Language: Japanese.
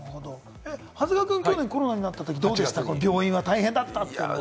長谷川君、去年コロナになった時、病院は大変だったって。